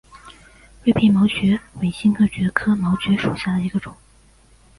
锐片毛蕨为金星蕨科毛蕨属下的一个种。